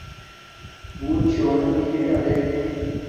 بُݸت شݸنݺ نِرِنݳ دݵک.